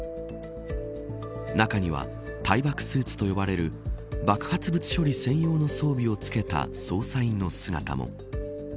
中には対爆スーツと呼ばれる爆発物処理専用の装備を着けた捜査員の姿も。